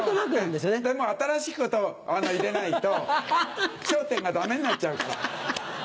でも新しいことを入れないと『笑点』がダメになっちゃうから。